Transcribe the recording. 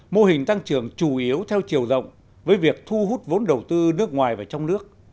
mô hình tăng trưởng chủ yếu theo chiều rộng với việc thu hút vốn đầu tư nước ngoài và trong nước